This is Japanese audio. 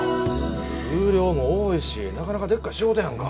数量も多いしなかなかでっかい仕事やんか。